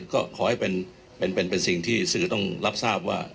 ก็ขอให้เป็นเป็นเป็นเป็นสิ่งที่สื่อต้องรับทราบว่า